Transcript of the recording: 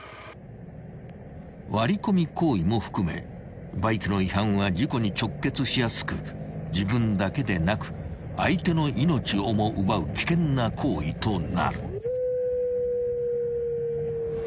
［割り込み行為も含めバイクの違反は事故に直結しやすく自分だけでなく相手の命をも奪う危険な行為となる］